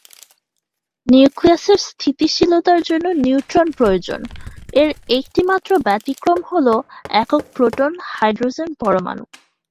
নিউক্লিয়াসের স্থিতিশীলতার জন্য নিউট্রন প্রয়োজন, এর একটিমাত্র ব্যতিক্রম হল একক প্রোটন হাইড্রোজেন পরমাণু।